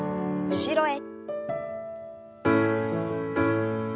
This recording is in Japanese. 後ろへ。